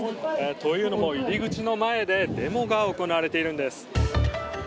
というのも入り口の前でデモが行われているんです。